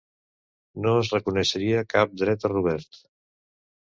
No es reconeixia cap dret a Robert.